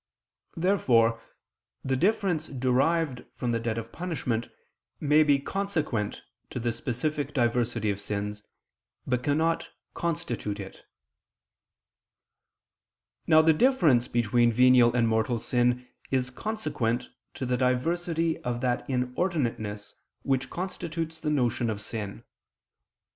Therefore the difference derived from the debt of punishment, may be consequent to the specific diversity of sins, but cannot constitute it. Now the difference between venial and mortal sin is consequent to the diversity of that inordinateness which constitutes the notion of sin.